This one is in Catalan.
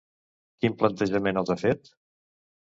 Quin plantejament els ha fet?